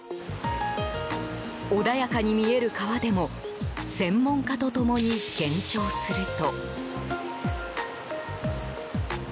穏やかに見える川でも専門家と共に検証すると。